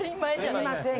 すいません